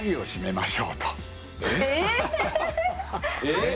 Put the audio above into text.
えっ！